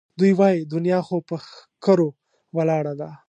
دوی وایي دنیا خو پهٔ ښکرو ولاړه ده